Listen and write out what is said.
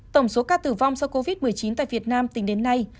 tổng số ca tử vong do covid một mươi chín tại việt nam tính đến nay